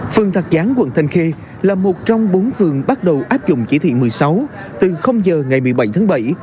phường thạch gián quận thanh khê là một trong bốn phường bắt đầu áp dụng chỉ thị một mươi sáu từ giờ ngày một mươi bảy tháng bảy